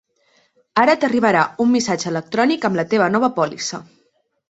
Ara t'arribarà un missatge electrònic amb la teva nova pòlissa.